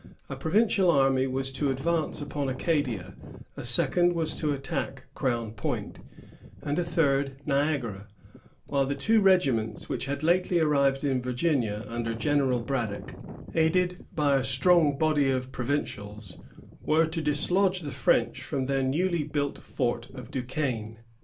A provincial army was to advance upon Acadia, a second was to attack Crown Point, and a third Niagara; while the two regiments which had lately arrived in Virginia under General Braddock, aided by a strong body of provincials, were to dislodge the French from their newly built fort of Du Quesne.